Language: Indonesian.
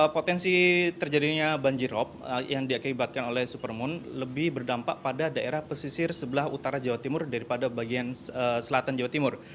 potensi terjadinya banjirop yang diakibatkan oleh supermoon lebih berdampak pada daerah pesisir sebelah utara jawa timur daripada bagian selatan jawa timur